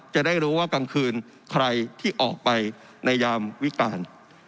จะได้รู้ว่ากลางคืนใครที่ออกไปในยามวิการ